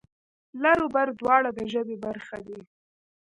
لر و بر دواړه د ژبې برخه دي.